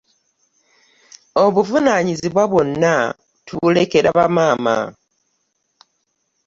Obuvunaanyizibwa bwonna tubulekera bamaama.